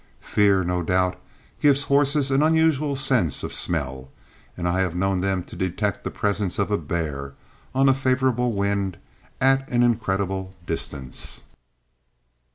Fear, no doubt, gives horses an unusual sense of smell, and I have known them to detect the presence of a bear, on a favorable wind, at an incredible distance.